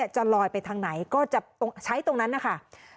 จะลอยไปทางไหนก็จะใช้ตรงนั้นนะคะ